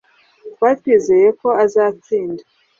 twari twizeye ko azatsinda